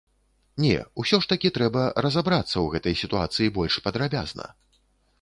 Не, усё ж такі трэба разабрацца ў гэтай сітуацыі больш падрабязна.